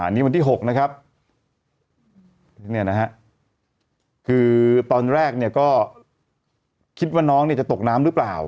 นี่วันที่๖นะครับคือตอนแรกเนี่ยก็คิดว่าน้องเนี่ยจะตกน้ำหรือเปล่า